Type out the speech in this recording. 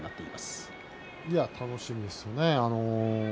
楽しみですよね。